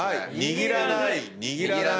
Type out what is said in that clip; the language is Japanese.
握らない。